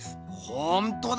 ほんとだ